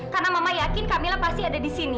karena mama yakin camilla pasti ada disini